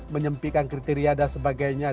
menyempikan kriteria dan sebagainya